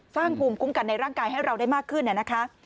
สร้างภูมิคุ้มกันในร่างกายให้เราได้มากขึ้นนะคะ